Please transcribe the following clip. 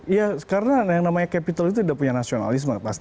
iya karena yang namanya capital itu tidak punya nasional